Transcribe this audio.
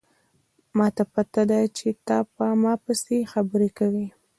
ما ته پته ده چې ته په ما پسې خبرې کوې